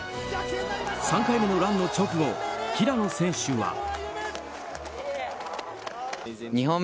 ３回目のランの直後平野選手は。